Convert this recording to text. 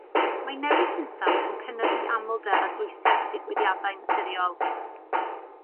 Mae newid hinsawdd yn cynyddu amlder a dwysedd digwyddiadau naturiol.